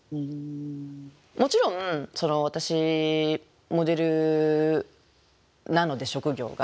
もちろん私モデルなので職業が。